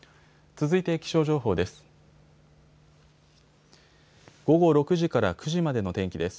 続いて気象情報です。